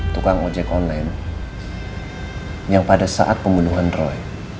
tukang ojek online yang pada saat pembunuhan roy